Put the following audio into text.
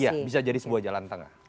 iya bisa jadi sebuah jalan tengah